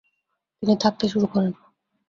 তিনি থাকতে শুরু করেন।